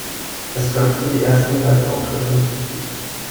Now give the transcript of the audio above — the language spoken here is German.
Es folgten die ersten Live-Auftritte.